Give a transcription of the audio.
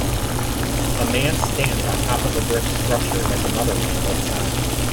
A man stands on top of a brick structure as another man looks on.